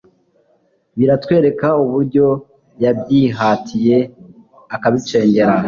biratwereka uburyo yabyihatiye akabicengera,